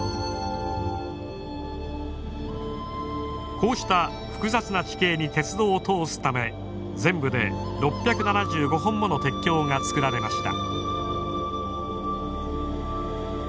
こうした複雑な地形に鉄道を通すため全部で６７５本もの鉄橋が造られました。